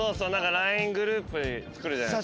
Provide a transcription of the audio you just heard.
ＬＩＮＥグループ作るじゃないですか毎回。